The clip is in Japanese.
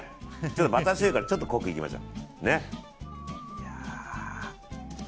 バターしょうゆからちょっと濃くいきましょう。